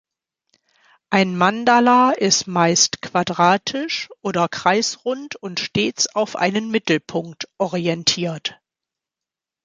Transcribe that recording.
Ein Mandala ist meist quadratisch oder kreisrund und stets auf einen Mittelpunkt orientiert.